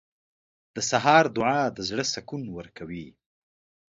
• د سهار دعا د زړه سکون ورکوي.